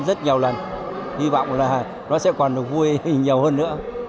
rất nhiều lần hy vọng là nó sẽ còn được vui nhiều hơn nữa